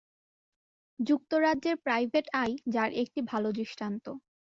যুক্তরাজ্যের "private eye" যার একটি ভাল দৃষ্টান্ত।